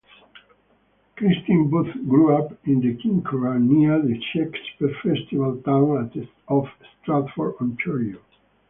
Kristin Booth grew up in Kinkora, near the Shakespeare festival town of Stratford, Ontario.